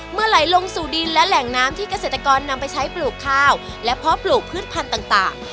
เมื่อไหลลงสู่ดินและแหล่งน้ำที่เกษตรกรนำไปใช้ปลูกข้าวและเพาะปลูกพืชพันธุ์ต่าง